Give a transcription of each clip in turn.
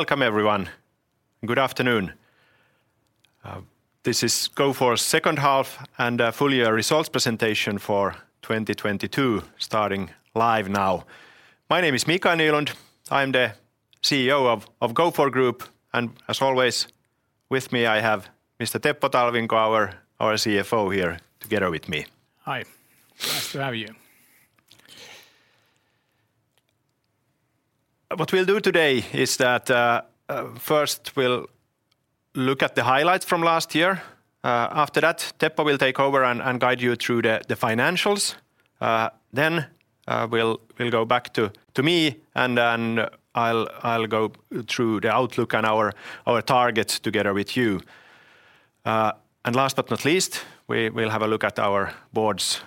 Welcome, everyone. Good afternoon. This is Gofore's second-half and full-year results presentation for 2022, starting live now. My name is Mikael Nylund. I'm the CEO of Gofore Group, and as always, I have Mr. Teppo Talvinko, our CFO, here with me. Hi. Nice to have you. What we'll do today is, first, we'll look at the highlights from last year. After that, Teppo will take over and guide you through the financials. Then we'll go back to me, and I'll go through the outlook and our targets together with you. Last but not least, we will have a look at our board's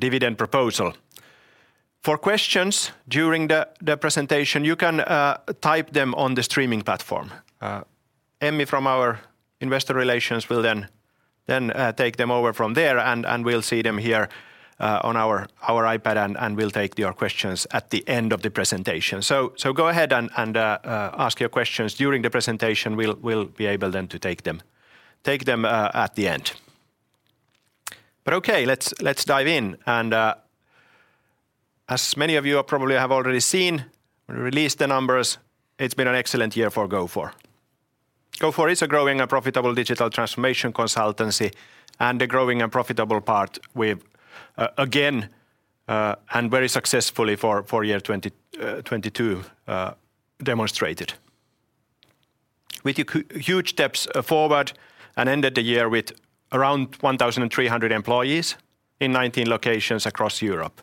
dividend proposal. For questions during the presentation, you can type them on the streaming platform. Emmy from our investor relations will then take them over from there, and we'll see them here on our iPad, and we'll take your questions at the end of the presentation. Go ahead and ask your questions during the presentation. We'll be able to take them at the end. Okay, let's dive in. As many of you probably have already seen when we released the numbers, it's been an excellent year for Gofore. Gofore is a growing and profitable digital transformation consultancy, and we've again, and very successfully for the year 2022, demonstrated a growing and profitable part. We took huge steps forward and ended the year with around 1,300 employees in 19 locations across Europe.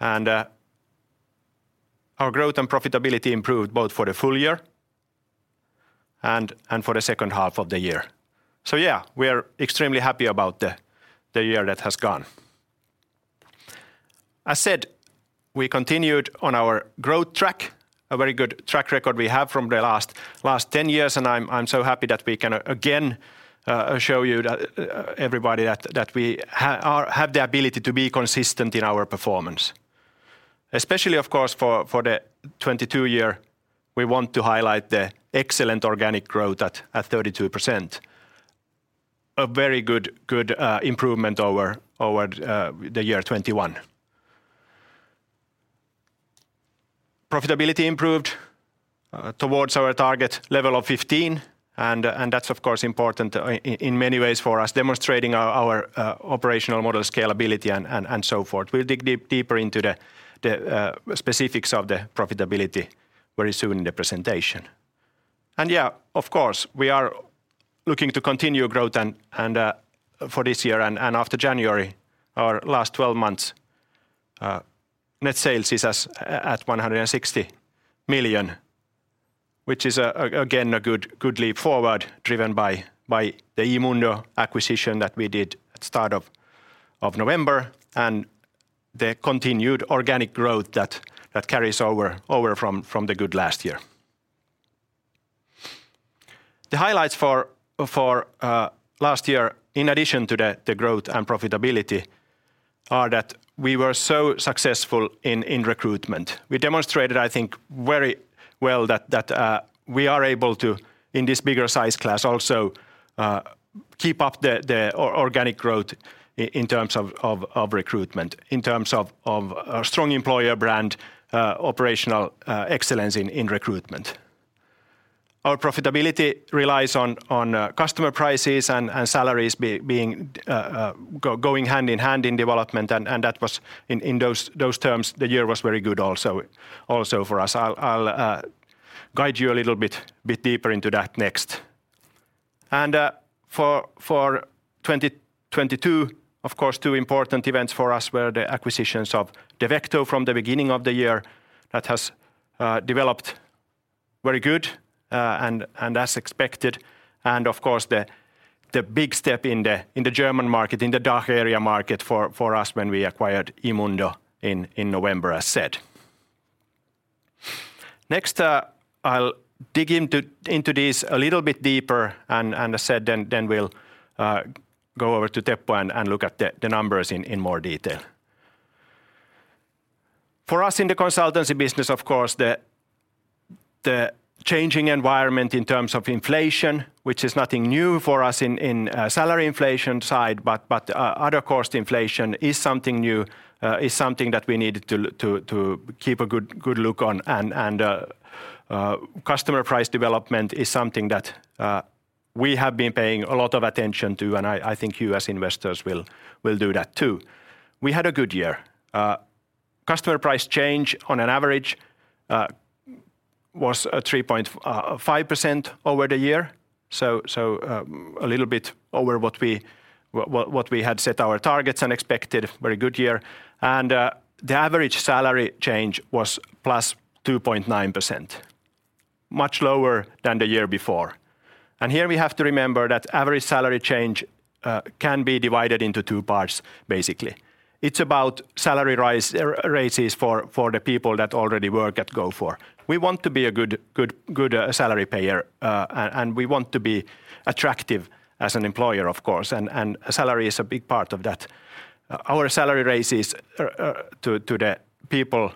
Our growth and profitability improved both for the full year and for the second half of the year. We are extremely happy about the year that has passed. As said, we continued on our growth track, a very good track record we have from the last 10 years, and I'm so happy that we can again show you that everybody, we have the ability to be consistent in our performance. Especially, of course, for the 2022 year, we want to highlight the excellent organic growth at 32%, a very good improvement over the year 2021. Profitability improved towards our target level of 15%, and that's of course important in many ways for us, demonstrating our operational model's scalability and so forth. We'll dig deeper into the specifics of the profitability very soon in the presentation. Yes, of course, we are looking to continue growth, and for this year and after January, our last 12 months' net sales are at 160 million, which is again a good leap forward, driven by the eMundo acquisition that we did at the start of November and the continued organic growth that carries over from the good last year. The highlights for last year, in addition to the growth and profitability, are that we were so successful in recruitment. We demonstrated, I think, very well that we are able to, in this bigger size class, also keep up the organic growth in terms of recruitment, in terms of our strong employer brand, and operational excellence in recruitment. Our profitability relies on customer prices and salaries going hand in hand with development, and in those terms, the year was very good for us. I'll guide you a little bit deeper into that next. For 2022, of course, two important events for us were the acquisitions of Devecto from the beginning of the year, which has developed very well and as expected. Of course, the big step in the German market, in the DACH area market for us, was when we acquired eMundo in November, as said. Next, I'll dig into this a little bit deeper, and as said, then we'll go over to Teppo and look at the numbers in more detail. For us in the consultancy business, of course, the changing environment in terms of inflation, which is nothing new for us on the salary inflation side, but other cost inflation is something new, is something that we needed to keep a good look at, and customer price development is something that we have been paying a lot of attention to. I think you as investors will do that too. We had a good year. Customer price change on average was 3.5% over the year, a little bit over what we had set our targets and expected. A very good year. The average salary change was +2.9%, much lower than the year before. Here we have to remember that the average salary change can be divided into two parts, basically. It's about salary raises for the people who already work at Gofore. We want to be a good salary payer, and we want to be attractive as an employer, of course, and salary is a big part of that. Our salary raises for the people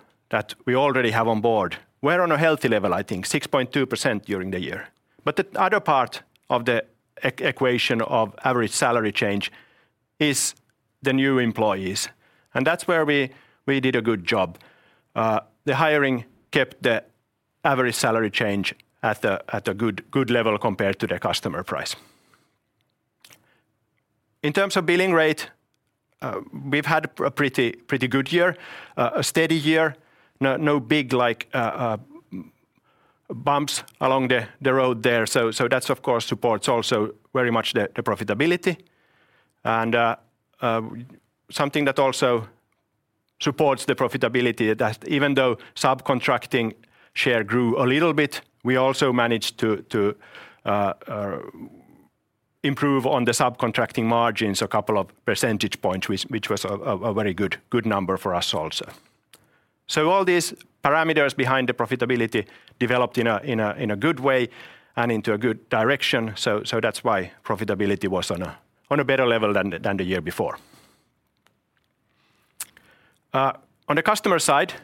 we already have on board were at a healthy level, I think, 6.2% during the year. The other part of the equation of average salary change is the new employees, and that's where we did a good job. The hiring kept the average salary change at a good level compared to the customer price. In terms of billing rate, we've had a pretty good, steady year. No big bumps along the road there. That, of course, also very much supports profitability, and something else that supports profitability is that even though the subcontracting share grew a little bit, we also managed to improve the subcontracting margins by a couple of percentage points, which was a very good number for us. All these parameters behind the profitability developed positively and in a good direction. That's why profitability was at a better level than the year before. On the customer side,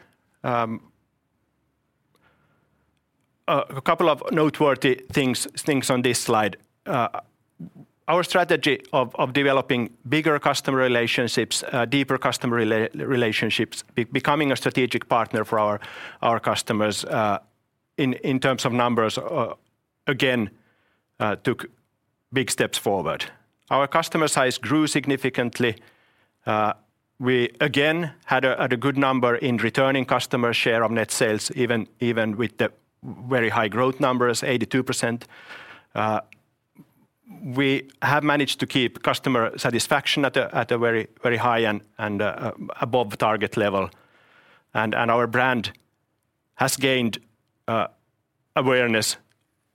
there are a couple of noteworthy things on this slide. Our strategy of developing bigger, deeper customer relationships, becoming a strategic partner for our customers, in terms of numbers, again, took big steps forward. Our customer size grew significantly. We again had a good number in returning customer share of net sales, even with the very high growth numbers, 82%. We have managed to keep customer satisfaction at a very, very high and above-target level. Our brand has gained awareness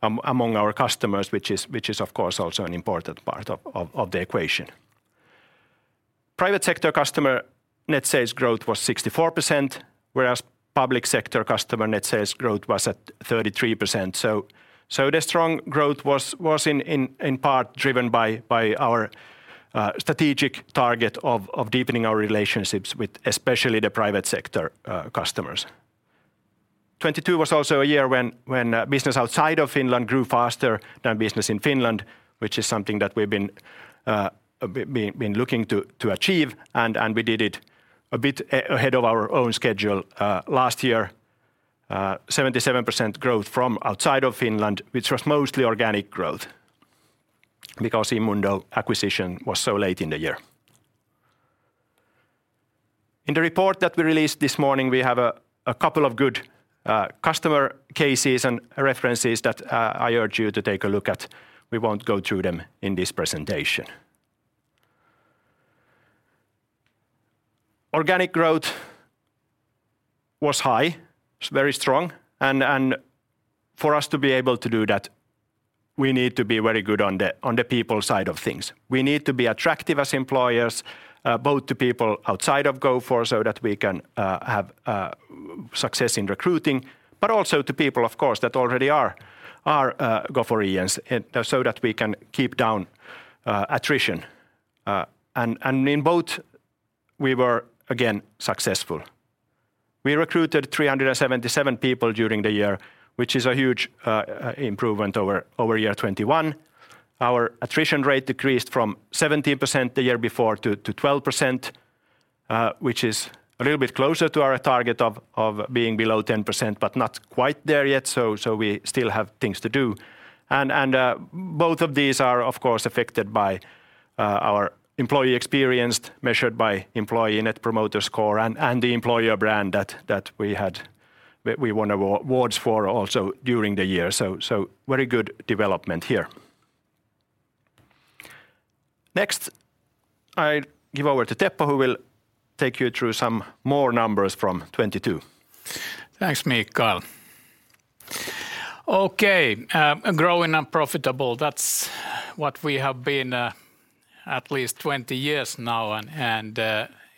among our customers, which is, of course, also an important part of the equation. Private sector customer net sales growth was 64%, whereas public sector customer net sales growth was at 33%. The strong growth was in part driven by our strategic target of deepening our relationships with private sector customers, especially. 2022 was also a year when business outside of Finland grew faster than business in Finland, which is something that we've been looking to achieve, and we did it a bit ahead of our own schedule last year. We saw 77% growth from outside of Finland, which was mostly organic growth because the eMundo acquisition was so late in the year. In the report that we released this morning, we have a couple of good customer cases and references that I urge you to take a look at. We won't go through them in this presentation. Organic growth was high, very strong, and for us to be able to achieve that, we need to excel in managing our human resources. We need to be attractive employers, both to external candidates to ensure successful recruitment, and to our current employees to minimize attrition. We were successful in both aspects. We recruited 377 people during the year, a significant improvement over 2021. Our attrition rate decreased from 17% the previous year to 12%, which is closer to our target of being below 10%, but we still have work to do. Both of these are, of course, affected by our employee experience, measured by the Employee Net Promoter Score, and the employer brand that we had—we won awards for it during the year. Very good development here. Next, I'll hand over to Teppo, who will take you through some more numbers from 2022. Thanks, Mikael. Growing and profitable, that's what we have been for at least 20 years now, and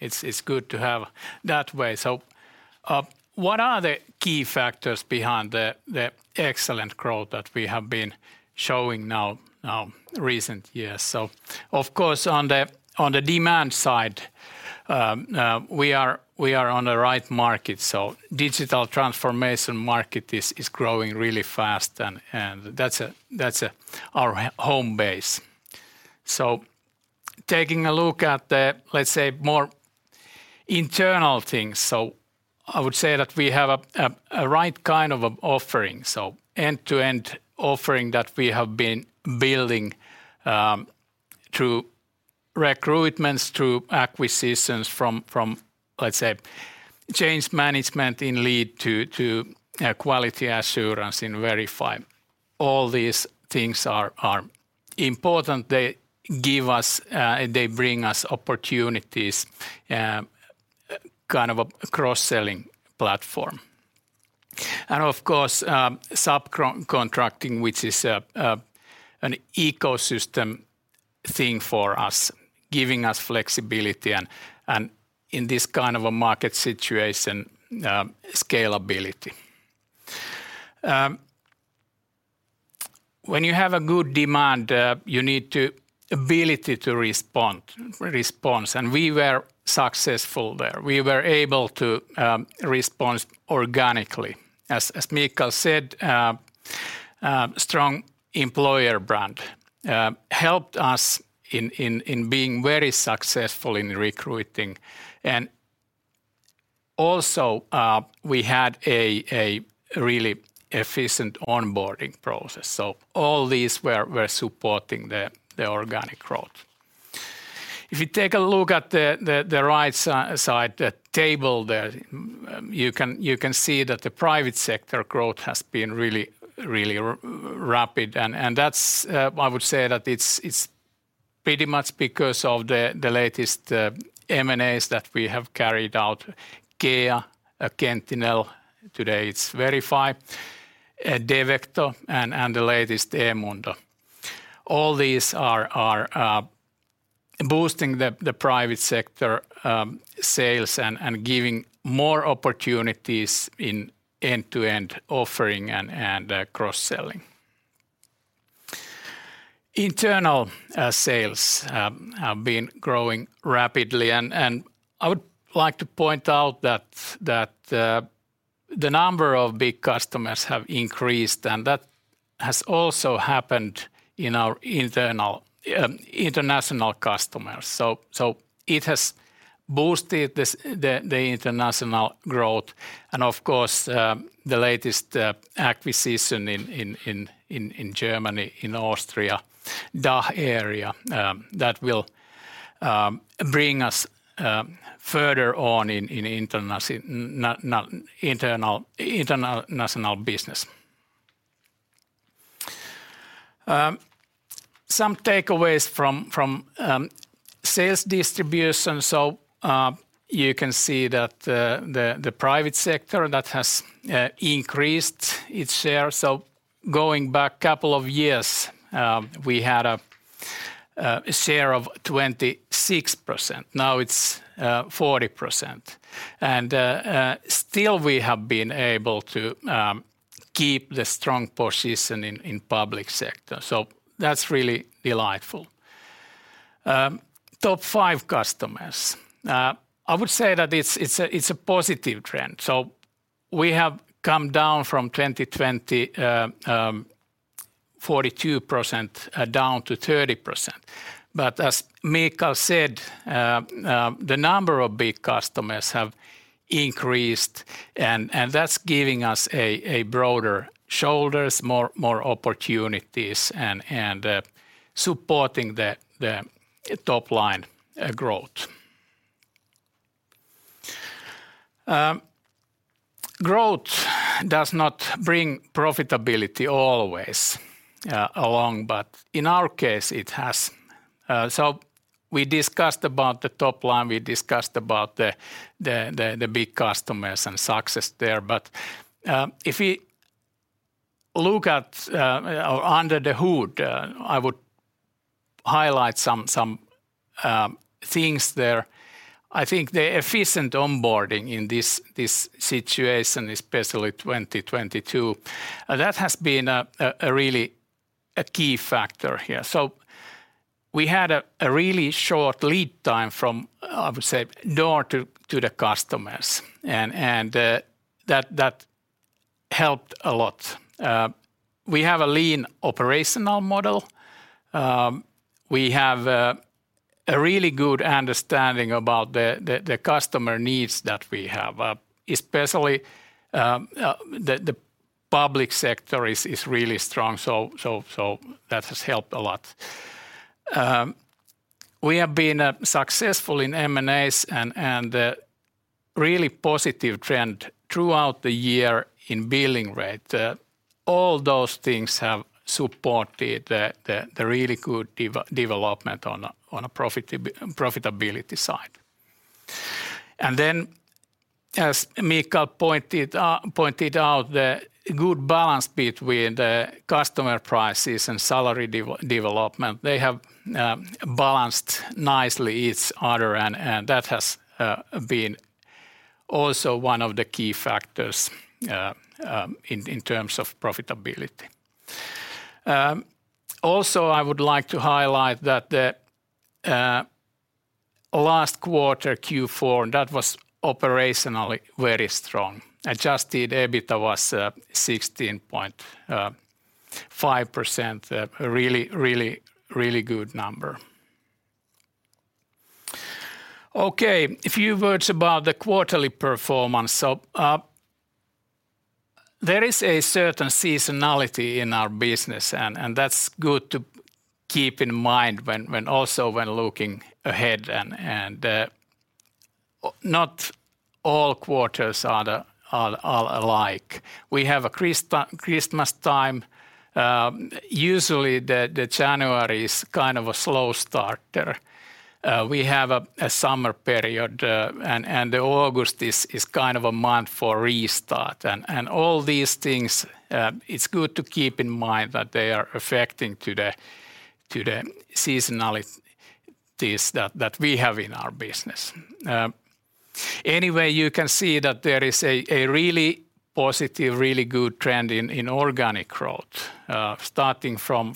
it's good to keep it that way. What are the key factors behind the excellent growth that we have been showing in recent years? Of course, on the demand side, we are in the right market. The digital transformation market is growing really fast, and that's our home base. Taking a look at the, let's say, more internal things, I would say that we have the right kind of offering: an end-to-end offering that we have been building through recruitments and acquisitions, from, let's say, change management in Lead to quality assurance in Verify. All these things are important. They give us, they bring us opportunities, kind of a cross-selling platform. Of course, subcontracting, which is an ecosystem thing for us, giving us flexibility and in this kind of a market situation, scalability. When you have good demand, the ability to respond. We were successful there. We were able to respond organically. As Mikael said, a strong employer brand helped us in being very successful in recruiting. Also, we had a really efficient onboarding process. All these were supporting organic growth. If you take a look at the right side, the table there, you can see that private sector growth has been really rapid. I would say that it's pretty much because of the latest M&As that we have carried out. CCEA, Qentinel, today it's Verify, Devecto, and the latest, eMundo. All these are boosting private sector sales and giving more opportunities in end-to-end offering and cross-selling. Internal sales have been growing rapidly, and I would like to point out that the number of big customers has increased, and that has also happened with our international customers. It has boosted international growth and, of course, the latest acquisition in Germany, in Austria, the DACH area, that will further our international business. Some takeaways from sales distribution. You can see that the private sector has increased its share. Going back a couple of years, we had a share of 26%. Now it's 40%. Still, we have been able to keep a strong position in the public sector. That's really delightful. Top five customers. I would say that it's a positive trend. We have come down from 42% in 2020 to 30%. As Mikael said, the number of big customers has increased, and that's giving us broader shoulders, more opportunities, and supporting top-line growth. Growth does not always bring profitability along, but in our case, it has. We discussed the top line, we discussed the big customers and success there. If we look under the hood, I would highlight some things. I think the efficient onboarding in this situation, especially in 2022, has been a really key factor here. We had a really short lead time from, I would say, door to the customers, and that helped a lot. We have a lean operational model. We have a really good understanding of the customer needs that we have, especially since the public sector is really strong, so that has helped a lot. We have been successful in M&As and seen a really positive trend throughout the year in billing rates. All these things have supported the really good development on the profitability side. As Mikael pointed out, the good balance between customer prices and salary development has nicely balanced each other, and that has also been one of the key factors in terms of profitability. Also, I would like to highlight that the last quarter, Q4, was operationally very strong. Adjusted EBITDA was 16.5%, a really good number. Okay. A few words about the quarterly performance. There is a certain seasonality in our business, and that's good to keep in mind when looking ahead, as not all quarters are alike. We have a Christmas season; usually, January is a slow starter. We have a summer period, and August is typically a month for restarting. It's good to keep in mind that all these things affect the seasonality we experience in our business. Anyway, you can see that there is a really positive, really good trend in organic growth, starting from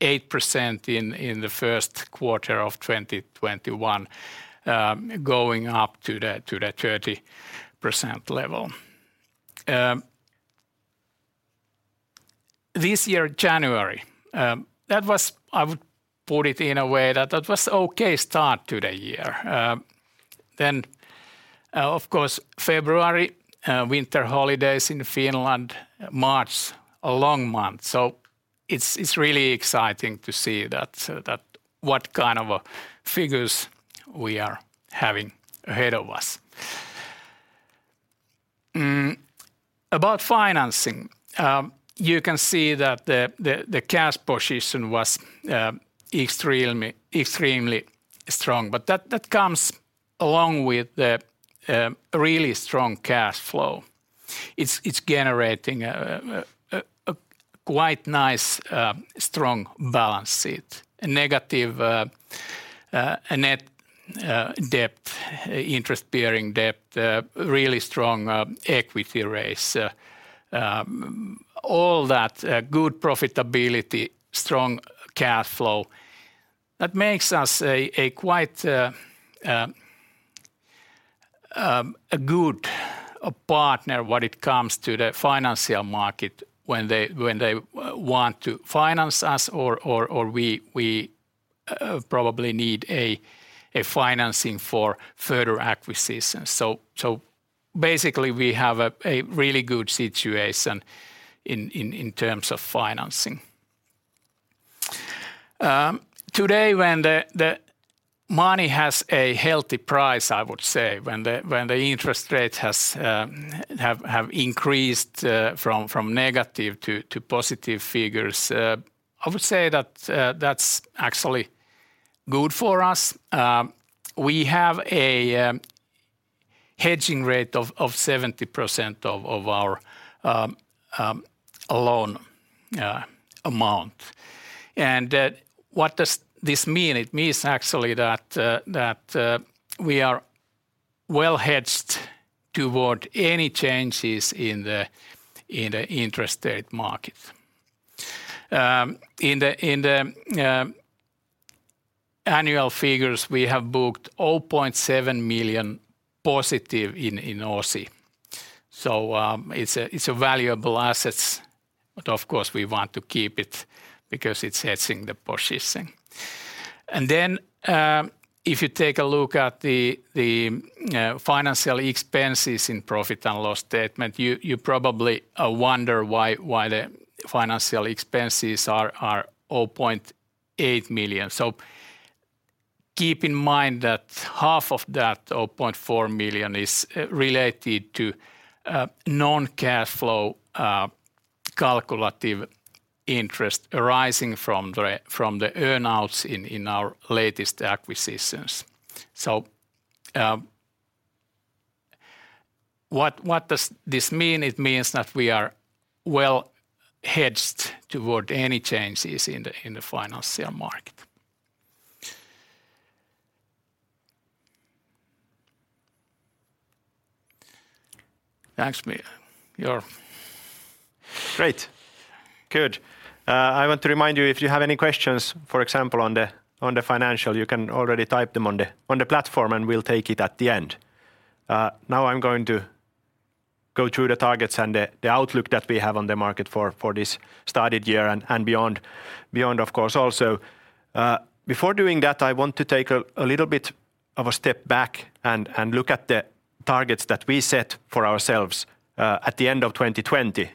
8% in the first quarter of 2021, going up to the 30% level. This year, January, that was... I would put it in a way that was an okay start to the year. Of course, February brought winter holidays in Finland, and March was a long month. It's really exciting to see what kind of figures we have ahead of us. Regarding financing, you can see that the cash position was extremely strong, and that comes along with the really strong cash flow. It's generating a quite nice, strong balance sheet: negative net debt, interest-bearing debt, and a really strong equity raise. All that good profitability and strong cash flow make us a good partner in the financial market when they want to finance us, or when we probably need financing for further acquisitions. Basically, we have a really good situation in terms of financing. Today, when money has a healthy price, I would say, when the interest rate has increased from negative to positive figures, I would say that's actually good for us. We have a hedging rate of 70% of our loan amount. What does this mean? It actually means that we are well hedged against any changes in the interest rate market. In the annual figures, we have booked 0.7 million positive in OSI. It's a valuable asset, but of course, we want to keep it because it's hedging the positioning. If you take a look at the financial expenses in the profit and loss statement, you probably wonder why the financial expenses are 0.8 million. Keep in mind that half of that, 0.4 million, is related to non-cash flow calculative interest arising from the earn-outs in our latest acquisitions. What does this mean? It means that we are well hedged against any changes in the financial market. Thanks. Great. Good. I want to remind you, if you have any questions, for example, on the financial, you can already type them on the platform, and we'll take it at the end. Now I'm going to go through the targets and the outlook that we have on the market for this started year and beyond, of course, also. Before doing that, I want to take a little bit of a step back and look at the targets that we set for ourselves at the end of 2020,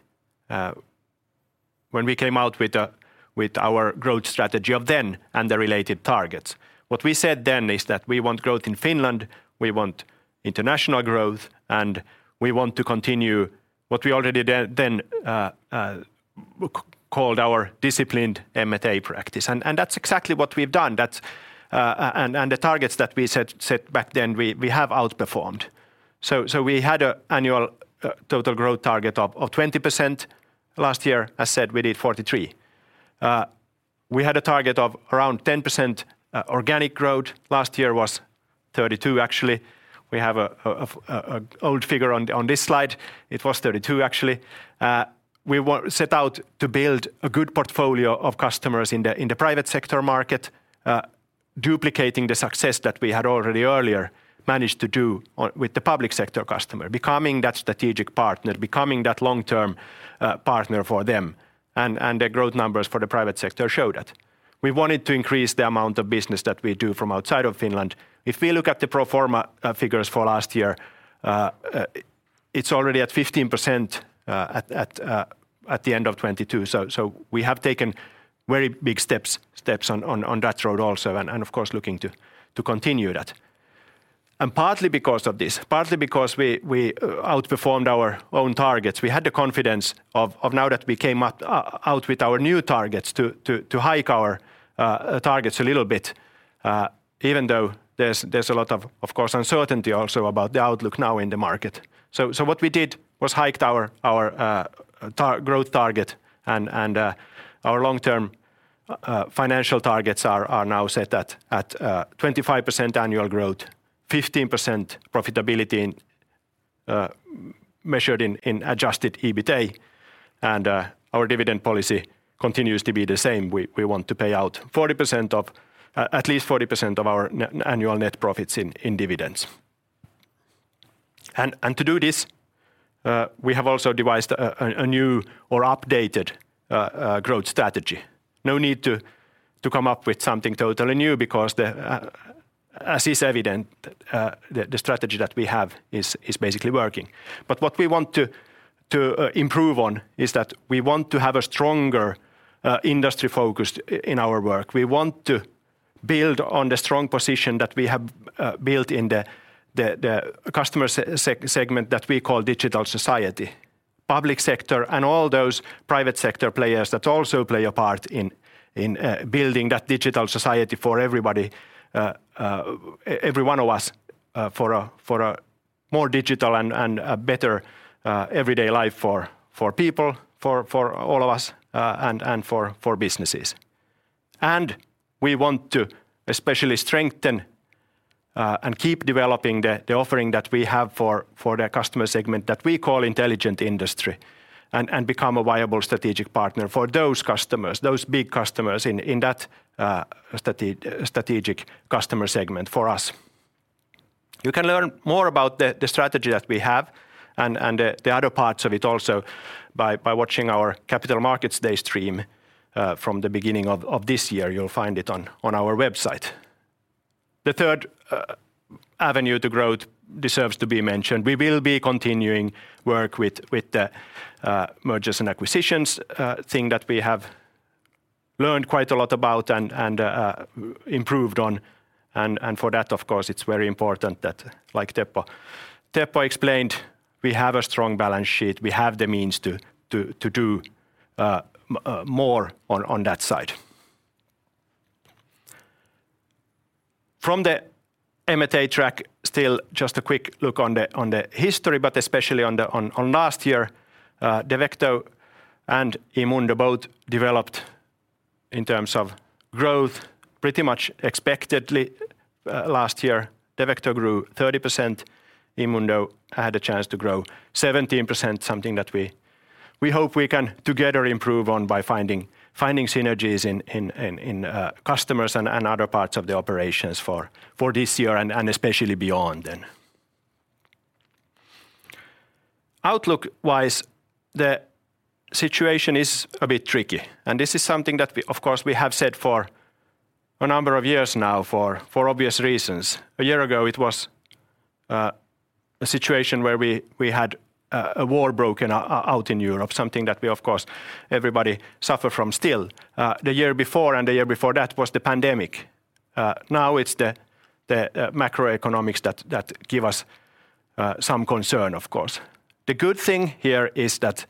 when we came out with our growth strategy of then and the related targets. What we said then is that we want growth in Finland, we want international growth, and we want to continue what we already then called our disciplined M&A practice. That's exactly what we've done. That's. The targets that we set back then, we have outperformed. We had a annual total growth target of 20% last year. I said we did 43%. We had a target of around 10% organic growth. Last year was 32% actually. We have a old figure on this slide. It was 32% actually. We set out to build a good portfolio of customers in the private sector market, duplicating the success that we had already managed to achieve with our public sector customers, becoming a strategic and long-term partner for them. The growth numbers for the private sector reflect this. We also wanted to increase the amount of business we do from outside of Finland. If we look at the pro forma figures for last year, it was already at 15% at the end of 2022. We have taken very significant steps in that direction as well, and of course, we look forward to continuing that. Partly because of this, and partly because we outperformed our own targets, we had the confidence to announce our new targets and hike them a little bit, even though there's a lot of uncertainty about the market outlook. What we did was hike our growth target and our long-term Financial targets are now set at 25% annual growth, with 15% profitability measured in Adjusted EBITA. Our dividend policy continues to be the same: we want to pay out at least 40% of our annual net profits in dividends. To do this, we have also devised a new or updated growth strategy. There's no need to come up with something totally new because, as is evident, the strategy that we have is basically working. What we want to improve on is that we want to have a stronger industry focus in our work. We want to build on the strong position that we have built in the customer segment that we call Digital Society. The public sector and all those private sector players also play a part in building that digital society for everybody, for every one of us, for a more digital and a better everyday life for people, for all of us, and for businesses. We want to especially strengthen and keep developing the offering that we have for the customer segment that we call Intelligent Industry, and become a viable strategic partner for those customers, those big customers in that strategic customer segment for us. You can learn more about our strategy and the other parts of it by watching our Capital Markets Day stream from the beginning of this year. You'll find it on our website. The third avenue to growth deserves to be mentioned. We will be continuing work with mergers and acquisitions, something we have learned quite a lot about and improved upon. For that, of course, it's very important that, as Teppo explained, we have a strong balance sheet. We have the means to do more in that area. Looking back at the M&A track, especially last year, Devecto and eMundo both developed in terms of growth pretty much as expected. Last year, Devecto grew 30%. eMundo had a chance to grow 17%, something that we hope we can together improve on by finding synergies in customers and other parts of the operations for this year and especially beyond. Outlook-wise, the situation is a bit tricky. This is something that we, of course, have said for a number of years now for obvious reasons. A year ago, it was a situation where a war had broken out in Europe, something that, of course, everybody still suffers from. The year before and the year before that was the pandemic. Now it's the macroeconomics that give us some concern, of course. The good thing here is that the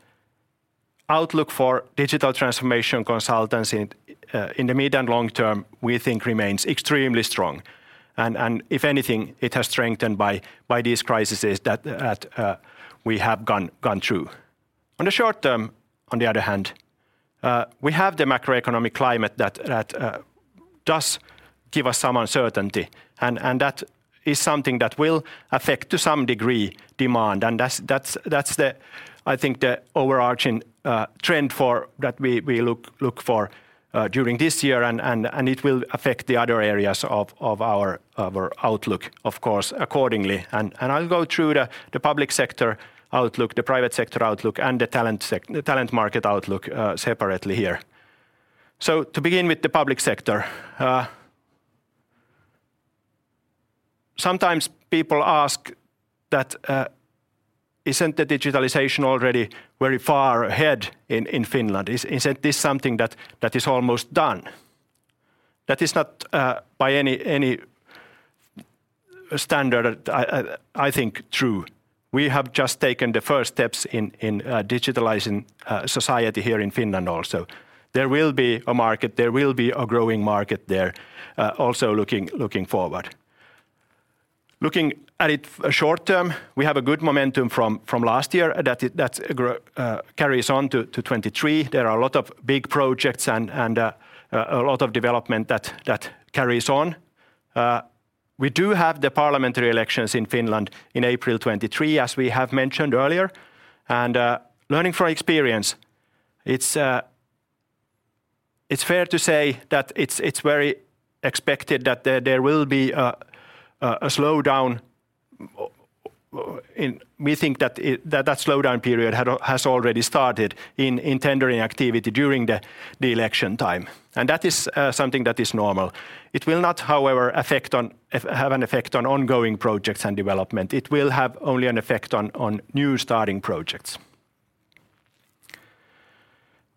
outlook for digital transformation consultancy in the mid- and long-term, we think, remains extremely strong. If anything, it has been strengthened by these crises that we have gone through. In the short term, on the other hand, we have the macroeconomic climate that does give us some uncertainty, and that is something that will affect demand to some degree. That's, I think, the overarching trend that we look for during this year, and it will affect the other areas of our outlook, of course, accordingly. I'll go through the public sector outlook, the private sector outlook, and the talent market outlook separately here. To begin with the public sector, sometimes people ask, "Isn't digitalization already very far ahead in Finland?" Isn't this something that is almost done? That is not by any standard, I think, true. We have just taken the first steps in digitalizing society here in Finland also. There will be a market. There will be a growing market there, also looking forward. Looking at it short-term, we have good momentum from last year that carries on to 2023. There are a lot of big projects and a lot of development that carries on. We do have the parliamentary elections in Finland in April 2023, as we have mentioned earlier. Learning from experience, it's fair to say that it's very expected that there will be a slowdown. We think that the slowdown period has already started in tendering activity during the election time, and that is something that is normal. It will not, however, have an effect on ongoing projects and development. It will only have an effect on newly starting projects.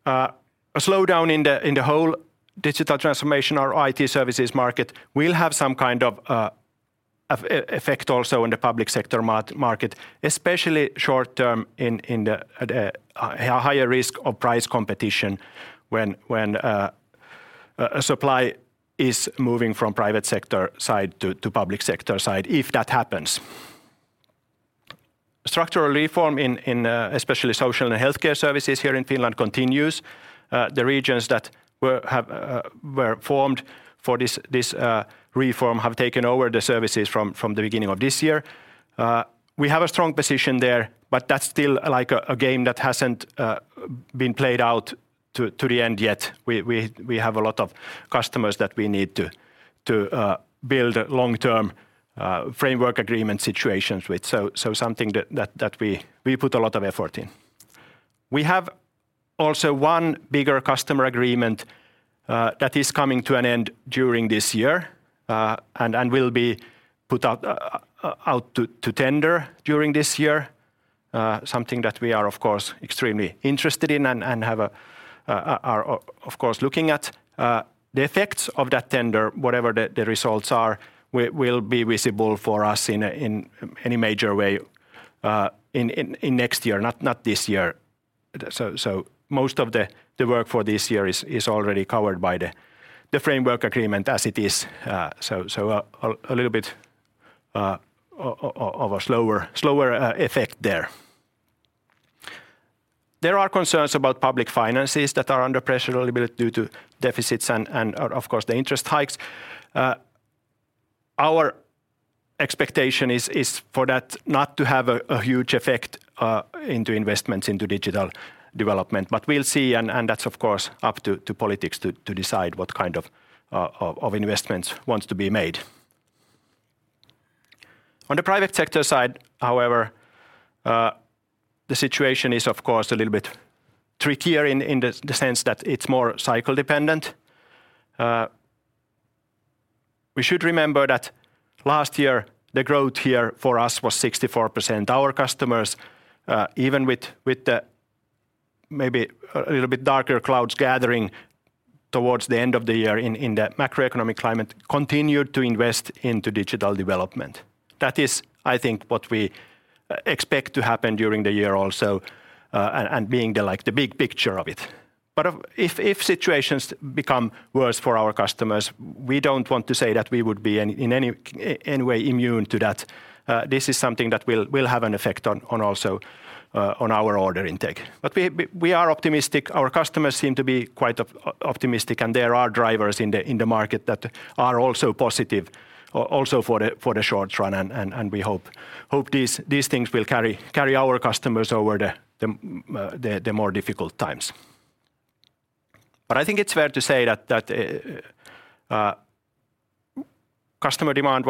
A slowdown in the whole digital transformation or IT services market will have some kind of effect also in the public sector market, especially short-term, with a higher risk of price competition when supply is moving from the private sector side to the public sector side, if that happens. Structural reform, especially in social and healthcare services here in Finland, continues. The regions that were formed for this reform have taken over the services since the beginning of this year. We have a strong position there, but that's still like a game that hasn't been played out to the end yet. We have a lot of customers with whom we need to build long-term framework agreement situations, something that we put a lot of effort into. We also have one bigger customer agreement that is coming to an end this year and will be put out to tender during this year, something that we are of course extremely interested in and are, of course, looking at. The effects of that tender, whatever the results are, will be visible to us in any major way next year, not this year. Most of the work for this year is already covered by the framework agreement as it is, leading to a slightly slower effect there. There are concerns about public finances that are under pressure a little bit due to deficits and, of course, interest rate hikes. Our expectation is for that not to have a huge effect on investments in digital development. We'll see, and that's of course up to politics to decide what kind of investments are to be made. On the private sector side, however, the situation is, of course, a little trickier in the sense that it's more cycle-dependent. We should remember that last year, our growth here was 64%. Our customers, even with the perhaps darker clouds gathering towards the end of the year in the macroeconomic climate, continued to invest in digital development. That is, I think, what we expect to happen during the year also, and that's the big picture of it. If situations become worse for our customers, we don't want to say that we would be in any way immune to that. This is something that will also affect our order intake. We are optimistic. Our customers seem to be quite optimistic, and there are market drivers that are also positive for the short run. We hope these things will carry our customers over the more difficult times. I think it's fair to say that in terms of customer demand,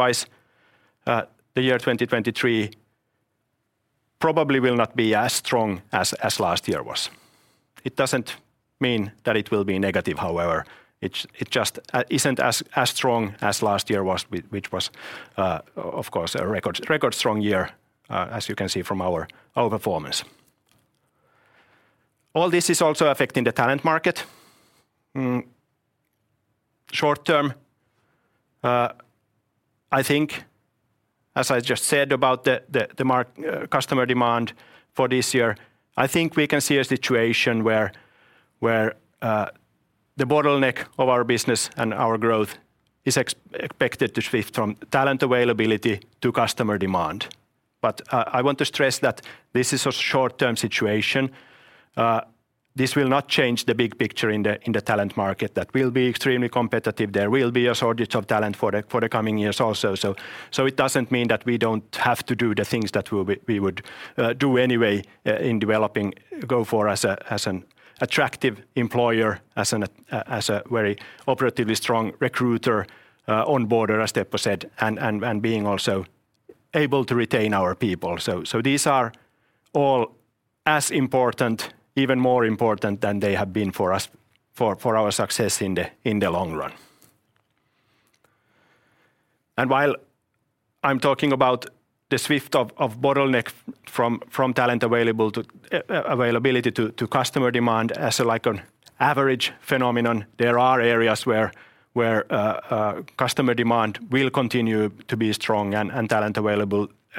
the year 2023 probably will not be as strong as last year. However, it doesn't mean that it will be negative. It just isn't as strong as last year, which was, of course, a record-strong year, as you can see from our performance. All this is also affecting the talent market. Short-term, as I just mentioned regarding customer demand for this year, I think we can see a situation where the bottleneck of our business and our growth is expected to shift from talent availability to customer demand. However, I want to stress that this is a short-term situation. This will not change the big picture in the talent market, which will remain extremely competitive. There will also be a shortage of talent for the coming years. So, it doesn't mean that we don't have to do the things that we would do anyway in developing Gofore as an attractive employer, as a very operatively strong recruiter, and onboarder, as Teppo Talvinko said, and being also able to retain our people. These are all as important, even more important than they have been for us for our success in the long run. While I'm talking about the shift of the bottleneck from talent availability to customer demand as an average phenomenon, there are areas where customer demand will continue to be strong and talent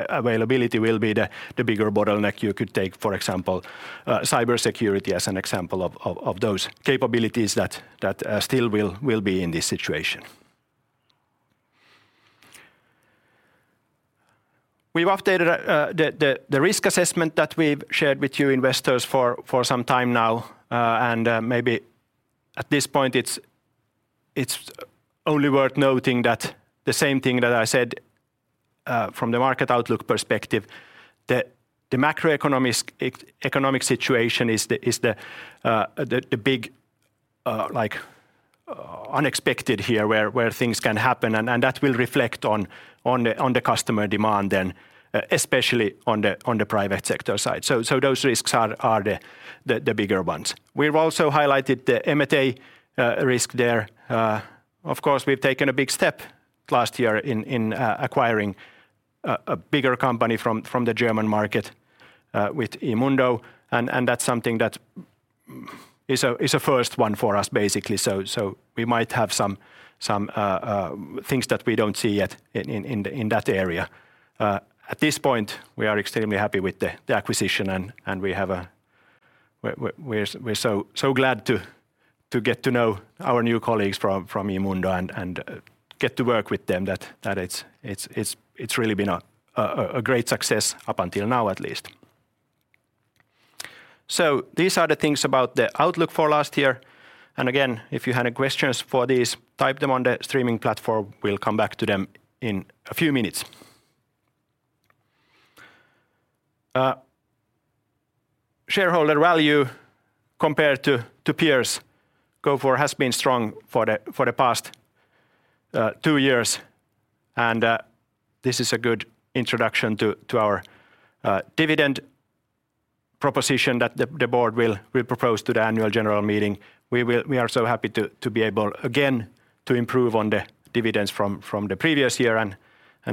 availability will be the bigger bottleneck. You could take, for example, cybersecurity as an example of those capabilities that will still be in this situation. We've updated the risk assessment that we've shared with you investors for some time now. At this point, it's only worth noting the same thing that I said from the market outlook perspective. The macroeconomic situation is the big unexpected factor here, where things can happen that will then reflect on customer demand, especially on the private sector side. Those risks are the bigger ones. We've also highlighted the M&A risk there. Of course, we took a big step last year in acquiring a bigger company from the German market with eMundo. That's basically a first for us. We might have some things that we don't see yet in that area. At this point, we are extremely happy with the acquisition, and we're so glad to get to know our new colleagues from eMundo and get to work with them that it's really been a great success up until now, at least. These are the things about the outlook for last year, and again, if you had any questions about these, type them on the streaming platform. We'll come back to them in a few minutes. Shareholder value compared to peers, Gofore has been strong for the past two years, and this is a good introduction to our dividend proposition that the board will propose to the annual general meeting. We are so happy to be able again to improve on the dividends from the previous year, and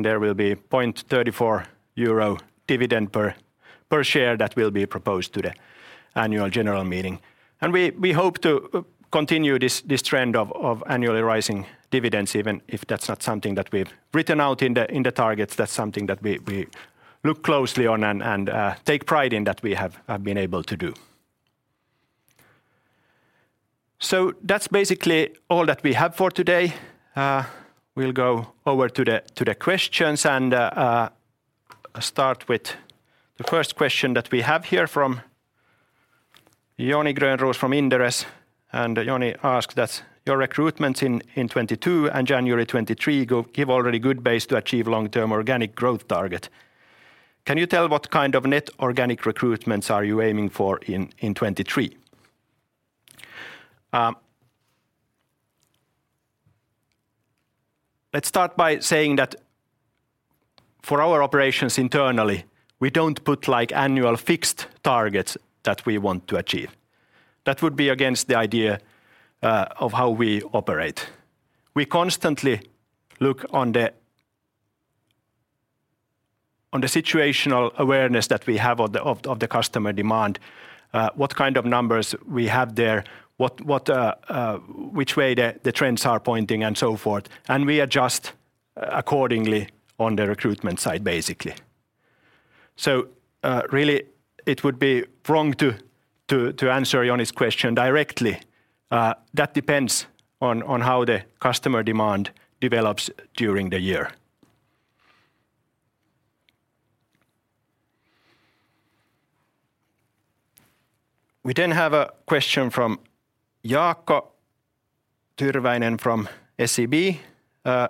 there will be a 0.34 euro dividend per share that will be proposed to the annual general meeting. We hope to continue this trend of annually rising dividends even if that's not something that we've written out in the targets. That's something that we look closely at and take pride in that we have been able to do. That's basically all that we have for today. We'll go over to the questions, starting with the first question we have here from Joni Grönroos from Inderes. Joni asks if your recruitment in 2022 and January 2023 already provides a good base to achieve your long-term organic growth target. Can you tell us what kind of net organic recruitments you are aiming for in 2023? Let's start by saying that for our internal operations, we don't set annual fixed targets that we want to achieve. That would be against the idea of how we operate. We constantly monitor our situational awareness regarding customer demand, the numbers we have there, the direction of trends, and so forth, and we adjust our recruitment accordingly. Really, it would be wrong to answer Joni's question directly. That depends on how customer demand develops during the year. We have a question from Jaakko Tyrväinen from SEB.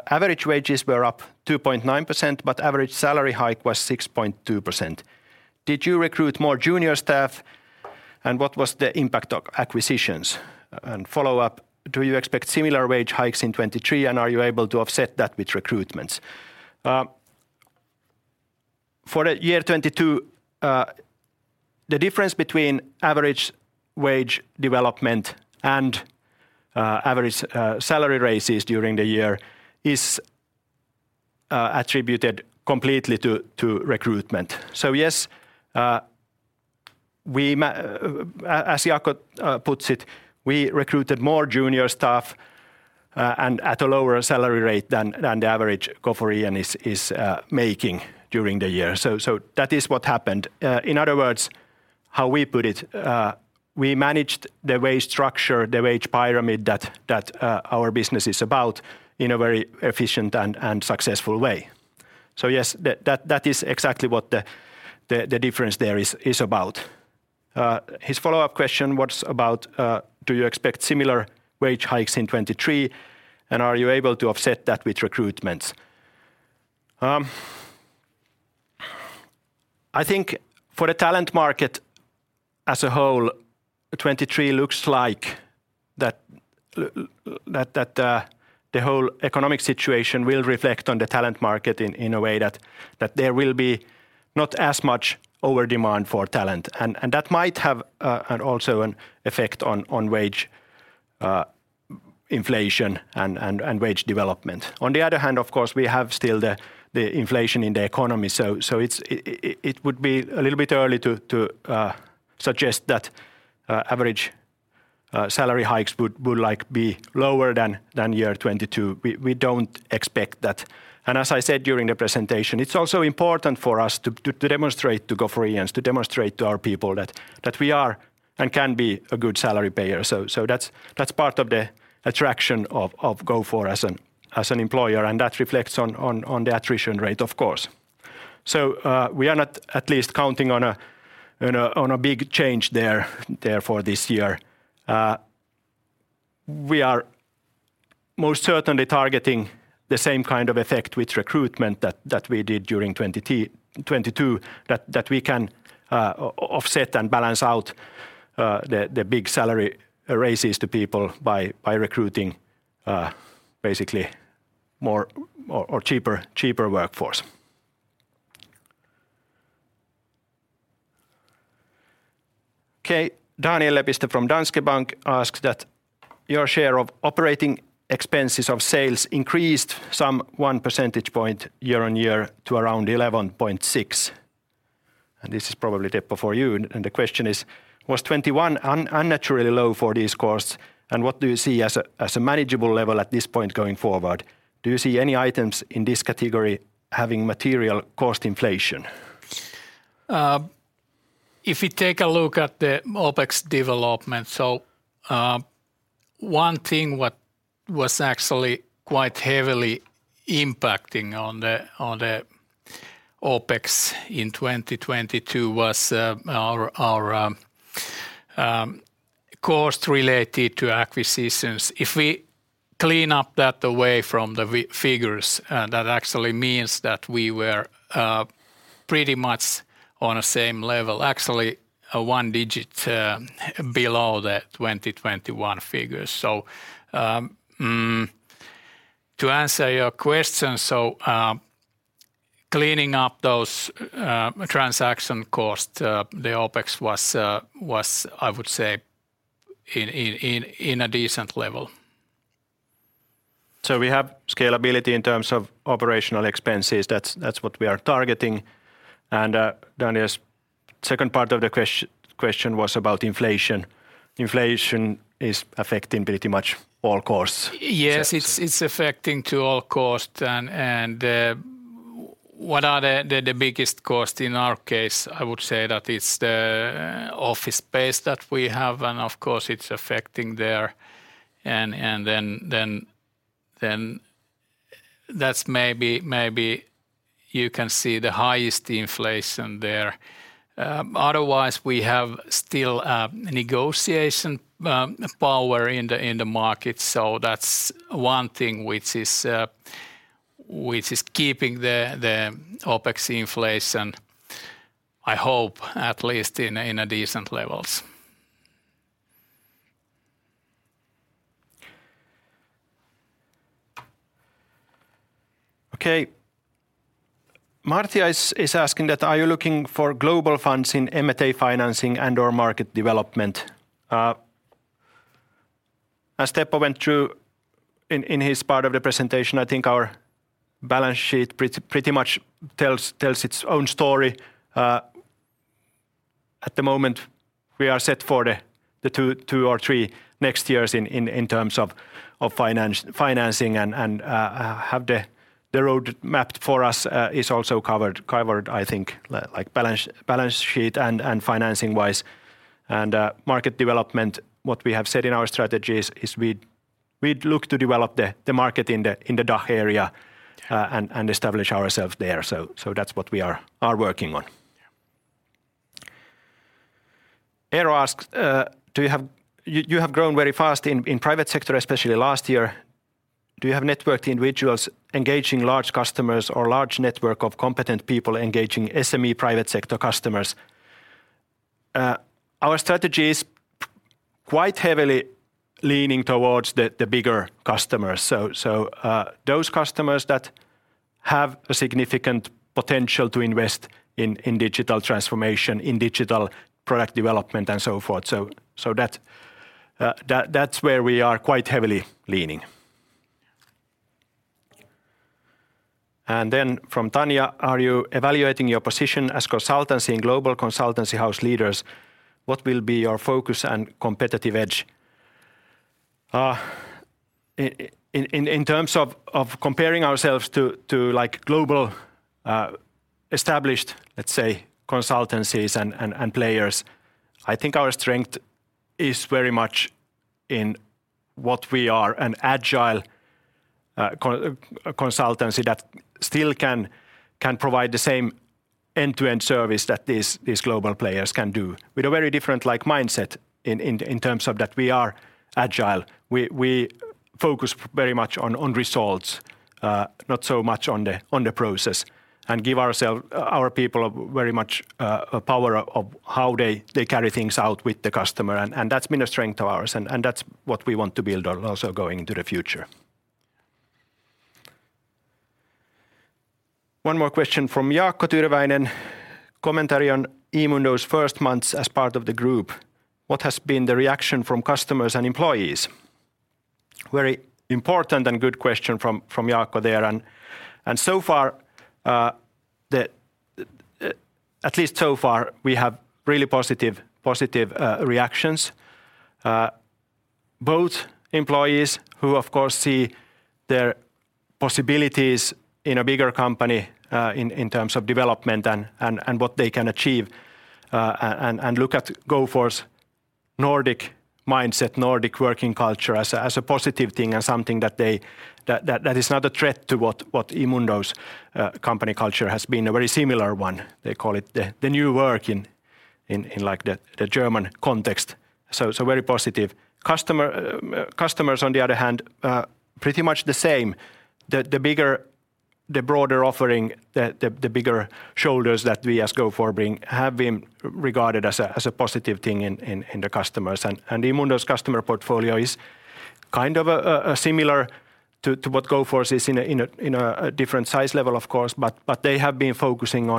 Average wages were up 2.9%, but the average salary hike was 6.2%. Did you recruit more junior staff, and what was the impact of acquisitions? Follow-up: Do you expect similar wage hikes in 2023, and are you able to offset that with recruitments? For the year 2022, the difference between average wage development and average salary raises during the year is attributed completely to recruitment. Yes, as Jaakko puts it, we recruited more junior staff and at a lower salary rate than the average Goforean makes during the year. That is what happened. In other words, how we put it, we managed the wage structure, the wage pyramid that our business is about in a very efficient and successful way. Yes, that is exactly what the difference there is about. His follow-up question was about, do you expect similar wage hikes in 2023, and are you able to offset that with recruitments? I think for the talent market as a whole, 2023 looks like the whole economic situation will reflect on the talent market in a way that there will not be as much over-demand for talent. That might also have an effect on wage inflation and wage development. On the other hand, of course, we still have inflation in the economy. It would be a little early to suggest that average salary hikes would be lower than in 2022. We don't expect that. As I said during the presentation, it's also important for us to demonstrate to GoForians, to demonstrate to our people, that we are and can be a good salary payer. That's part of the attraction of Gofore as an employer, and that reflects on the attrition rate, of course. We are not, at least, counting on a big change there for this year. We are most certainly targeting the same kind of effect with recruitment that we did during 2022, that we can offset and balance out the big salary raises to people by recruiting basically more or cheaper workforce. Okay. Daniel Lepistö from Danske Bank asked that your share of operating expenses of sales increased some 1 percentage point year-on-year to around 11.6%. This is probably Teppo for you, and the question is, was 2021 unnaturally low for these costs, and what do you see as a manageable level at this point going forward? Do you see any items in this category having material cost inflation? If you look at the OPEX development, one thing that heavily impacted OPEX in 2022 was our cost related to acquisitions. If we remove that from the figures, it actually means that we were pretty much on the same level, actually, one digit below the 2021 figures. To answer your question, cleaning up those transaction costs, the OPEX was, I would say, at a decent level. We have scalability in terms of operational expenses. That's what we are targeting. Daniel's second part of the question was about inflation. Inflation is affecting pretty much all costs. It's affecting all costs, and what are the biggest costs in our case? I would say that it's the office space that we have, and of course it's affecting that. Then, maybe you can see the highest inflation there. Otherwise, we still have negotiation power in the market. That's one thing which is keeping the OPEX inflation, I hope, at least at decent levels. Okay. Matti Viljamaa is asking, "Are you looking for global funds in M&A financing and/or market development?" As Teppo went through in his part of the presentation, I think our balance sheet pretty much tells its own story. At the moment, we are set for the next two or three years in terms of financing, and the road map for us is also covered, I think, balance sheet and financing-wise. For market development, what we have said in our strategy is that we look to develop the market in the DACH area and establish ourselves there. That's what we are working on. Yeah. Eero asks, "You have grown very fast in the private sector, especially last year. Do you have networked individuals engaging large customers or a large network of competent people engaging SME private sector customers?" Our strategy is quite heavily leaning towards bigger customers—those customers that have significant potential to invest in digital transformation, digital product development, and so forth. That's where we are quite heavily leaning. From Tanya, "Are you evaluating your position as a consultancy among global consultancy house leaders?" "What will be your focus and competitive edge?" In terms of comparing ourselves to established global consultancies and players, I think our strength is very much in what we are: an agile consultancy that can still provide the same end-to-end service that these global players can, but with a very different mindset. We are agile. We focus very much on results, not so much on the process, and give our people a lot of power in how they carry things out with the customer. That's been a strength of ours, and that's what we want to build on going into the future. One more question from Jaakko Tyrväinen. "Commentary on eMundo's first months as part of the group. What has been the reaction from customers and employees?" That's a very important and good question from Jaakko. So far, at least, we have received really positive reactions. Both employees, who, of course, see their possibilities in a bigger company in terms of development and what they can achieve, and who view Gofore's Nordic mindset and Nordic working culture as a positive thing and something that is not a threat to what eMundo's company culture has been—a very similar one. They call it "New Work" in the German context. Very positive. Customers, on the other hand, have had pretty much the same reaction. The bigger, broader offering, and bigger shoulders that we as Gofore bring have been regarded as a positive thing by customers. eMundo's customer portfolio is somewhat similar to Gofore's, though on a different scale, of course. However, they have been focusing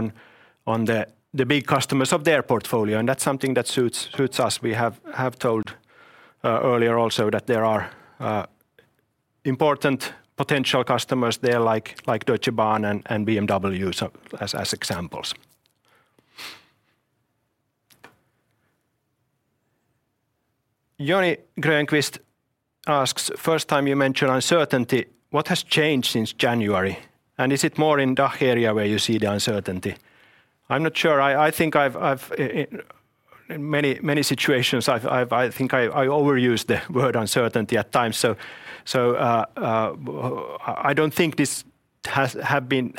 on the big customers in their portfolio, and that's something that suits us. We have also mentioned earlier that there are important potential customers there, such as Deutsche Bahn and BMW, as examples. Joni Grönqvist asks, "First time you mention uncertainty, what has changed since January? And is it more in the DACH area where you see the uncertainty?" I'm not sure. I think I've been in many situations where I overuse the word "uncertainty" at times. I don't think this has been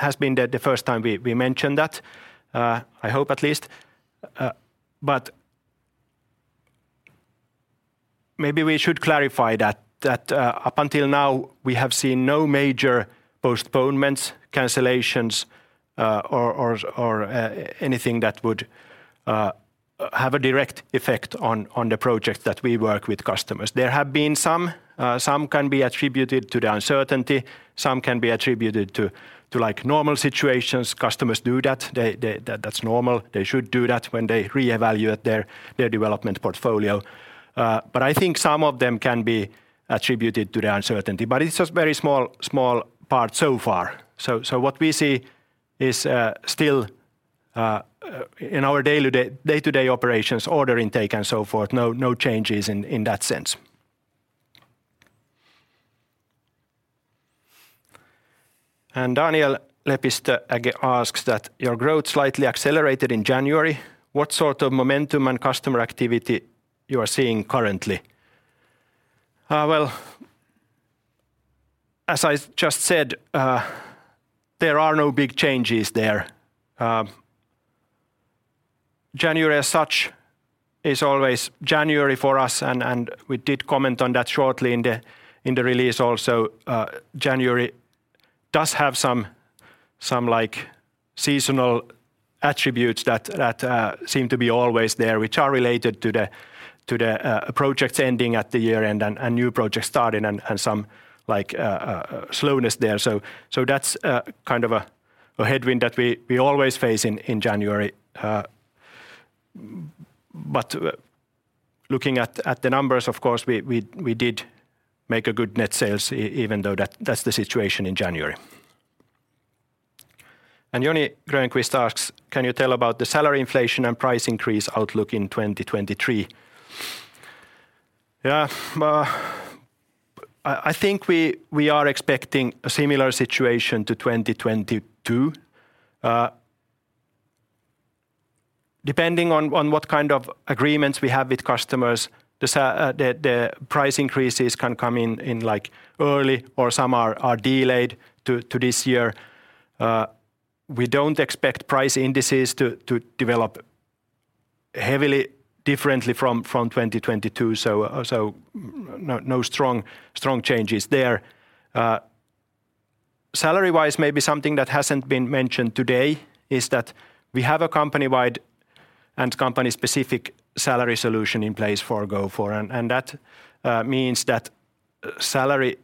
the first time we've mentioned that, I hope at least. Maybe we should clarify that up until now, we have seen no major postponements, cancellations, or anything that would have a direct effect on the projects we work on with customers. There have been some that can be attributed to the uncertainty, and some that can be attributed to normal situations. Customers do that; that's normal. They should do that when they reevaluate their development portfolio. I think some of them can be attributed to the uncertainty, but it's just a very small part so far. What we see is still in our day-to-day operations, order intake and so forth, no changes in that sense. Daniel Lepistö asks, "Your growth slightly accelerated in January. What sort of momentum and customer activity are you seeing currently?" Well, as I just said, there are no big changes there. January as such is always January for us, and we did comment on that shortly in the release also. January does have some seasonal attributes that seem to be always there, which are related to projects ending at the year and new projects starting, and some slowness there. That's kind of a headwind that we always face in January. But looking at the numbers, of course, we did make good net sales even though that's the situation in January. Joni Grönqvist asks, "Can you tell about the salary inflation and price increase outlook in 2023?" Yeah. I think we are expecting a similar situation to 2022. Depending on what kind of agreements we have with customers, the price increases can come in early, or some are delayed to this year. We don't expect price indices to develop heavily differently from 2022; no strong changes there. Salary-wise, maybe something that hasn't been mentioned today is that we have a company-wide and company-specific salary solution in place for Gofore, and that means that salary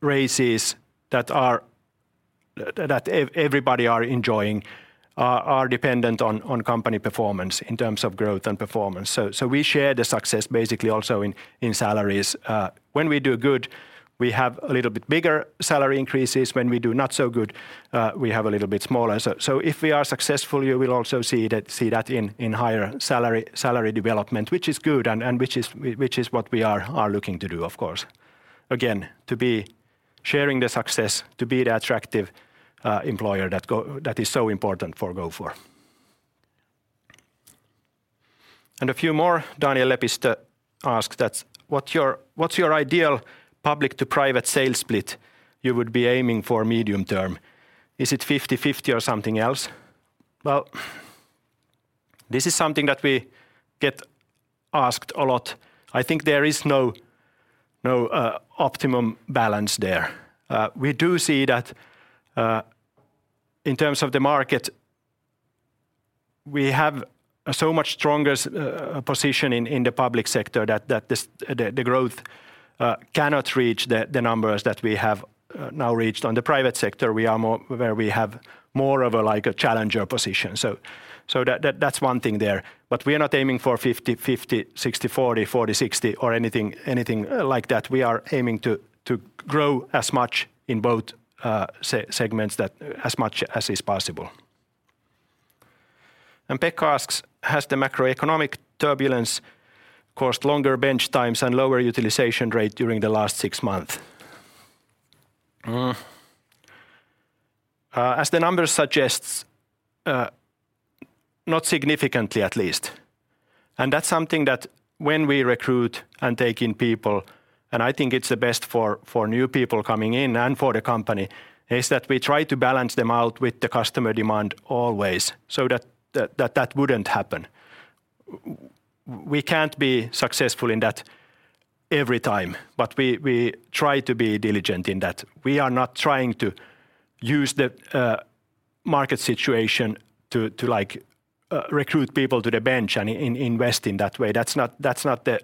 raises that are... that everybody is enjoying are dependent on company performance in terms of growth and performance. We share the success, basically, also in salaries. When we do well, we have slightly bigger salary increases. When we do not so well, we have slightly smaller ones. If we are successful, you will also see that in higher salary development, which is good and which is what we are looking to do, of course. Again, to be sharing the success, to be the attractive employer that is so important for Gofore. A few more: Daniel Lepistö asked, "What's your ideal public to private sale split you would be aiming for medium term?" "Is it 50-50 or something else?" Well, this is something that we get asked a lot. I think there is no optimum balance there. We do see that, in terms of the market, we have a much stronger position in the public sector, so the growth cannot reach the numbers that we have now reached. In the private sector, we have more of a challenger position. So that's one thing. We are not aiming for 50-50, 60-40, 40-60, or anything like that. We are aiming to grow as much as possible in both segments. Pekka asks, "Has the macroeconomic turbulence caused longer bench times and a lower utilization rate during the last 6 months?" As the numbers suggest, not significantly, at least. That's something that when we recruit and onboard people—and I think it's best for new people coming in and for the company—is that we try to balance them out with customer demand always so that wouldn't happen. We can't be successful every time, but we try to be diligent in that. We are not trying to use the market situation to recruit people to the bench and invest in that way. That's not the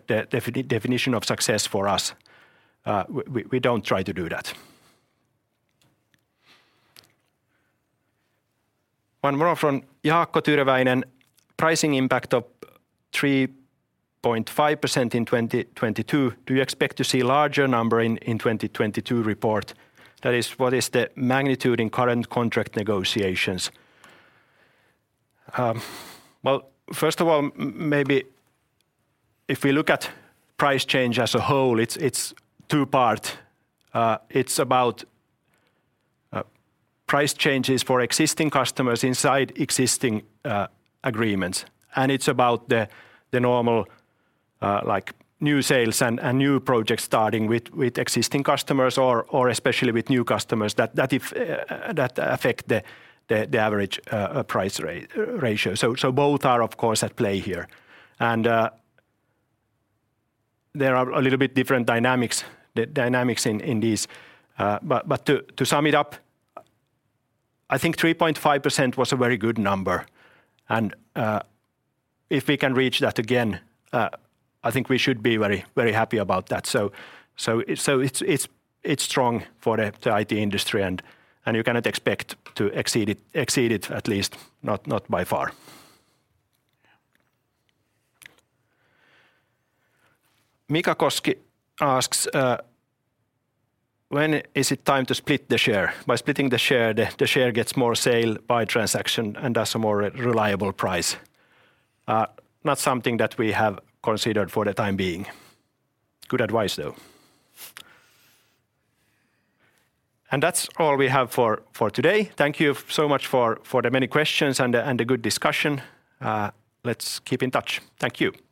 definition of success for us. We don't try to do that. One more from Jaakko Tyrväinen: "Pricing impact of 3.5% in 2022, do you expect to see a larger number in the 2022 report?" That is what the magnitude is in current contract negotiations. Well, first of all, maybe if we look at price change as a whole, it's two-part. It's about price changes for existing customers inside existing agreements, and it's about the normal, like new sales and new projects starting with existing customers or especially with new customers that affect the average price ratio. Both are, of course, at play here. There are a little bit different dynamics, the dynamics in these. But to sum it up, I think 3.5% was a very good number, and if we can reach that again, I think we should be very happy about that. It's strong for the IT industry, and you cannot expect to exceed it, at least not by far. Mika Koski asks, "When is it time to split the share? By splitting the share, the share gets more sales by transaction and thus a more reliable price." Not something that we have considered for the time being. Good advice, though. That's all we have for today. Thank you so much for the many questions and the good discussion. Let's keep in touch. Thank you. Bye-bye.